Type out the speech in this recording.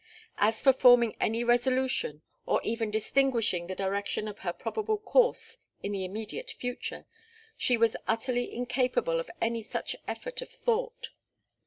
As for forming any resolution, or even distinguishing the direction of her probable course in the immediate future, she was utterly incapable of any such effort or thought.